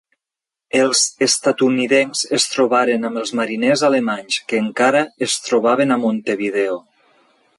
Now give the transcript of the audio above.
Els estatunidencs es trobaren amb els mariners alemanys, que encara es trobaven a Montevideo.